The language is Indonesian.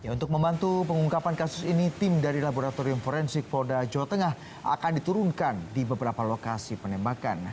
untuk membantu pengungkapan kasus ini tim dari laboratorium forensik polda jawa tengah akan diturunkan di beberapa lokasi penembakan